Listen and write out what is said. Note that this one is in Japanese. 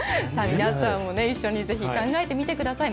皆さんもね、一緒にぜひ考えてみてください。